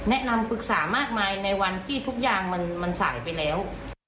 แนะนำปรึกษามากมายในวันที่ทุกอย่างมันสายไปแล้ว